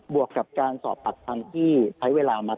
วกกับการสอบปากคำที่ใช้เวลามา